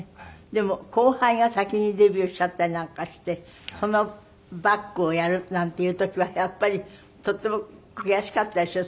でも後輩が先にデビューしちゃったりなんかしてそのバックをやるなんていう時はやっぱりとても悔しかったでしょ？